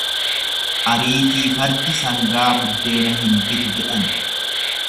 Ariitii fardi sangaa buddeena hin bitu jedhan.